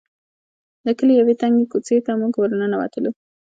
د کلي يوې تنګې کوڅې ته موټر ور ننوتلو.